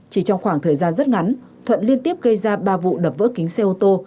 chỉ trong khoảng thời gian rất ngắn thuận liên tiếp gây ra ba vụ đập vỡ kính xe ô tô